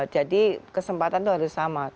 jadi kesempatan tuh harus sama